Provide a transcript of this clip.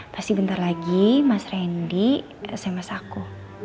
pasti bentar lagi mas randy sms aku